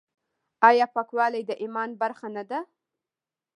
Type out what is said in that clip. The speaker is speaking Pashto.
آیا پاکوالی د ایمان برخه نه ده؟